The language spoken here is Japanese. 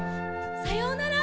さようなら。